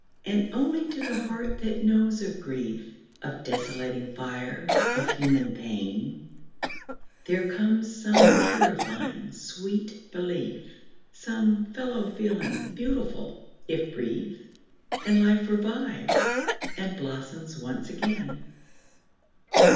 And only to the heart that knows of grief, Of desolating fire, of human pain, There comes some purifying sweet belief, Some fellow feeling beautiful, if brief. And life revives, and blossoms once again.